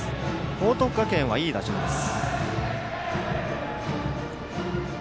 報徳学園はいい打順です。